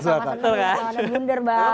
sama sama seneng lawannya blunder bang